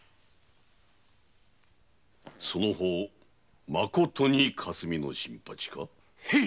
その方まことに霞の新八か？へぃ。